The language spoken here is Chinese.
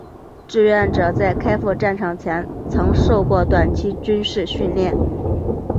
志愿者在开赴战场前曾受过短期军事训练。